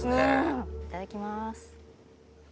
いただきます。